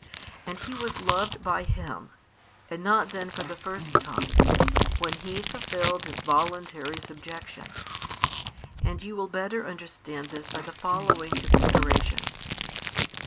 And He was loved by Him, and not then for the first time, when He fulfilled His voluntary subjection; and you will better understand this by the following considerations.